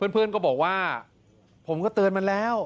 เพื่อนก็บอกว่าผมก็เตือนมันแล้ว